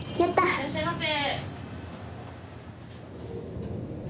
・いらっしゃいませ。